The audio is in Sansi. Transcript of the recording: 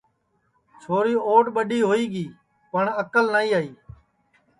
چھوری اُوڈؔ ٻڈؔی ہوئی گی پٹؔ اکل نائی آئی